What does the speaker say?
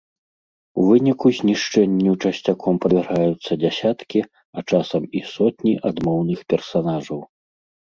У выніку знішчэнню часцяком падвяргаюцца дзясяткі, а часам і сотні адмоўных персанажаў.